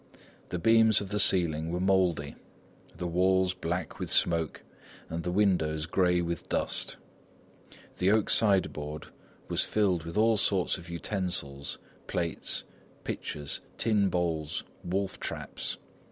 The beams of the ceiling were mouldy, the walls black with smoke and the windows grey with dust. The oak sideboard was filled with all sorts of utensils, plates, pitchers, tin bowls, wolf traps.